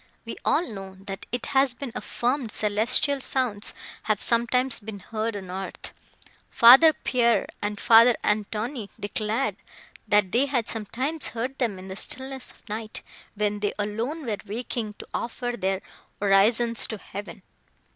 We all know, that it has been affirmed celestial sounds have sometimes been heard on earth. Father Pierre and Father Antoine declared, that they had sometimes heard them in the stillness of night, when they alone were waking to offer their orisons to heaven.